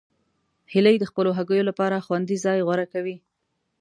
هیلۍ د خپلو هګیو لپاره خوندي ځای غوره کوي